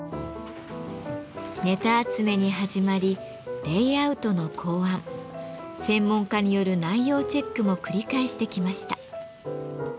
ネタ集めに始まりレイアウトの考案専門家による内容チェックも繰り返してきました。